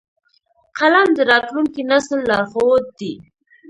قلم د راتلونکي نسل لارښود دی